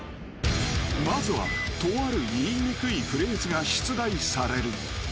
［まずはとある言いにくいフレーズが出題される］